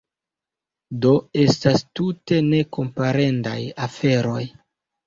Do, estas tute nekomparendaj aferoj.